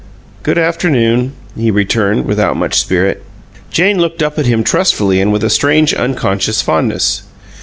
"Good afternoon," he returned, without much spirit. Jane looked up at him trustfully and with a strange, unconscious fondness.